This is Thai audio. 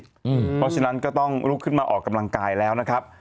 เพราะฉะนั้นก็ต้องลุกขึ้นมาออกกำลังกายแล้วนะครับ